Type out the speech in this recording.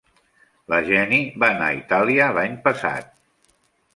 La Jenny va anar a Itàlia l'any passat.